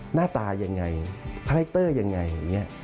หน้าตายังไงคาแรคเตอร์ยังไง